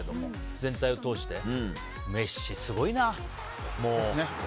全体を通して、メッシすごいな。